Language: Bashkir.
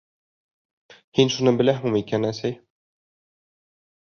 Һин шуны беләһеңме икән, әсәй?